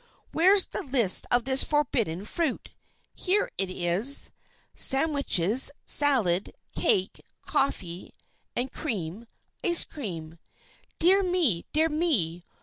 where's the list of this 'forbidden fruit'? Here it is! Sandwiches, salad, cake, chocolate and coffee, ice cream. Dear me! dear me!